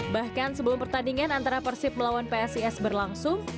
bahkan sebelum pertandingan antara persib melawan psis berlangsung